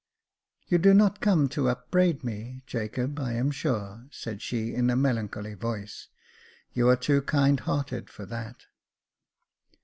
'* You do not come to upbraid me, Jacob, I am sure," said she, in a melancholy voice ;" you are too kind hearted for that."